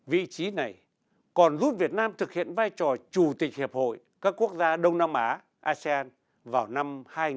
vị trí này còn giúp việt nam thực hiện vai trò chủ tịch hiệp hội các quốc gia đông nam á asean vào năm hai nghìn hai mươi